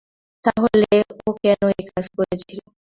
তাহলে ও কেন এই কাজ করেছিল?